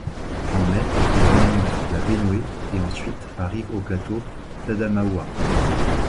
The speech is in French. En mai, il remonte la Bénoué et ensuite arrive au plateau d'Adamaoua.